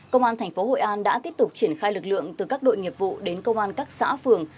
công an thành phố hội an đã tiếp tục triển khai lực lượng từ các đội nghiệp vụ đến công an các xã phường